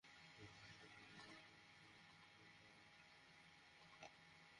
তখন মহান প্রতিপালক তাকে হাত বাড়াতে এবং এটার লেজে ধরতে নির্দেশ দিলেন।